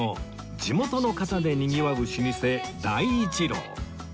地元の方でにぎわう老舗大一樓